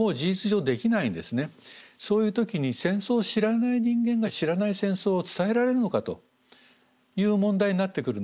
そういう時に戦争を知らない人間が知らない戦争を伝えられるのかという問題になってくるんです。